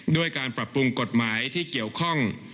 ด้วยการปรับปรุงกฎหมายที่เกี่ยวข้อง